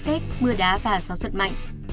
xét mưa đá và gió giật mạnh